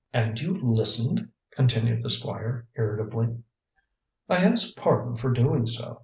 "And you listened?" continued the Squire irritably. "I ask pardon for doing so.